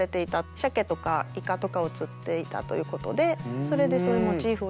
シャケとかイカとかを釣っていたということでそれでそういうモチーフを入れて。